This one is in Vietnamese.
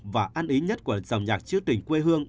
và an ý nhất của dòng nhạc chứa tình quê hương